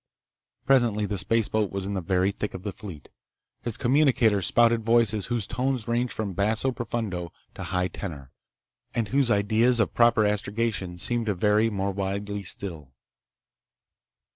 Presently the spaceboat was in the very thick of the fleet. His communicator spouted voices whose tones ranged from basso profundo to high tenor, and whose ideas of proper astrogation seemed to vary more widely still.